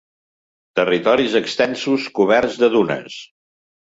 Territoris extensos coberts de dunes.